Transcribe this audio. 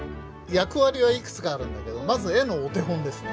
役割はいくつかあるんだけどまず絵のお手本ですね。